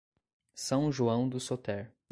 São João do Soter